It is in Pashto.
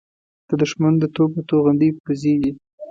د دښمن د توپ د توغندۍ پرزې دي.